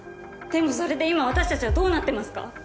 でもそれで今私たちはどうなってますか？